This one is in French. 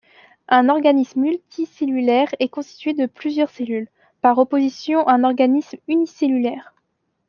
Un organisme multicellulaire est constitué de plusieurs cellules, par opposition à un organisme unicellulaire.